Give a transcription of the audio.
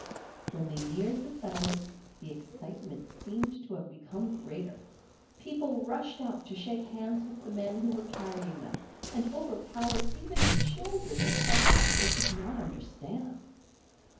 When they neared the settlement the excitement seemed to have become greater; people rushed out to shake hands with the men who were carrying them, and overpowered even the children with questions they could not understand.